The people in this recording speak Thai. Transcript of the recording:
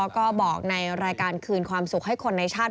ก็บอกในรายการคืนความสุขให้คนในชาติ